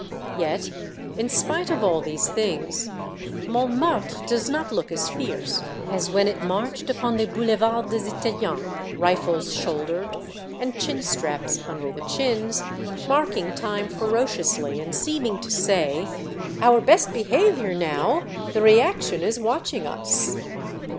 Yet, in spite of all these things, Montmartre does not look as fierce as when it marched upon the Boulevard des Italiens, rifles shouldered, and chin straps under the chins, mark ing time ferociously, and seeming to say, " Our Glimpses of the Insurrection. 107 best behavior now ! the Reaction is watching us."